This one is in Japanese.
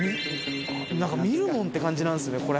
何か見るもんって感じなんですよね。